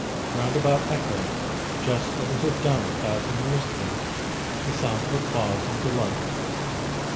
Round about echoed, just as it had done a thousand years ago, the sound of applause and delight.